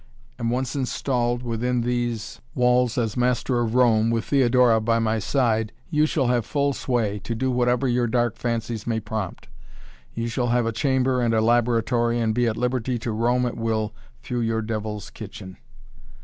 And once installed within these walls as master of Rome with Theodora by my side you shall have full sway, to do whatever your dark fancies may prompt. You shall have a chamber and a laboratory and be at liberty to roam at will through your devil's kitchen."